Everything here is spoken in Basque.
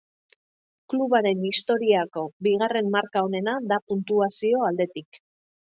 Klubaren historiako bigarren marka onena da puntuazio aldetik.